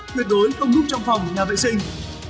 tuyệt đối không núp trong phòng nhà vệ sinh